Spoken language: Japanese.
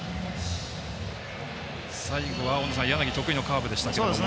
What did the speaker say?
最後は柳得意のカーブでしたけども。